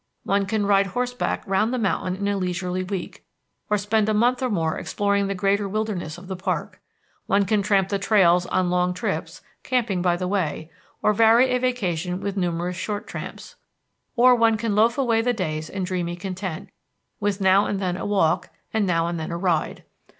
One can ride horseback round the mountain in a leisurely week, or spend a month or more exploring the greater wilderness of the park. One can tramp the trails on long trips, camping by the way, or vary a vacation with numerous short tramps. Or one can loaf away the days in dreamy content, with now and then a walk, and now and then a ride.